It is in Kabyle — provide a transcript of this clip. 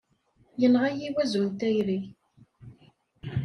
Yenɣa-yi wezzu n tayri!